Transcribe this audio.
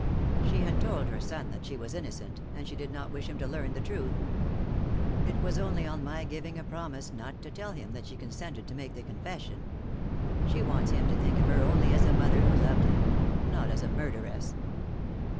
She had told her son that she was innocent, and she did not wish him to learn the truth. It was only on my giving a promise not to tell him that she consented to make the confession. She wants him to think of her only as a mother who loved him not as a murderess."